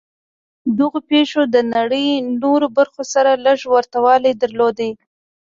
دغو پېښو د نړۍ نورو برخو سره لږ ورته والی درلود